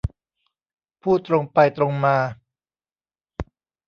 พูดตรงไปตรงมา